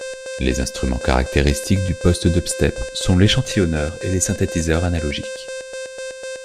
Les instruments caractéristiques du post-dubstep sont l'échantillonneur et les synthétiseurs analogiques.